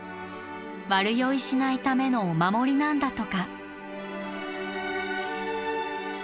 悪酔いしないためのお守りなんだとか。